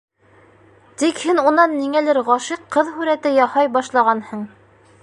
Тик һин унан ниңәлер ғашиҡ ҡыҙ һүрәте яһай башлағанһың.